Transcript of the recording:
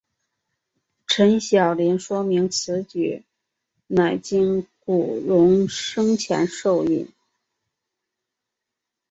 陈晓林说明此举乃经古龙生前授意。